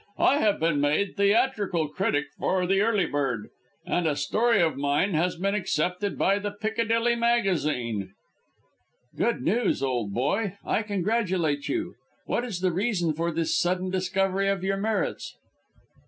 "I have been made theatrical critic for the Early Bird, and a story of mine has been accepted by the Piccadilly Magazine." "Good news, old boy; I congratulate you. What is the reason for this sudden discovery of your merits?"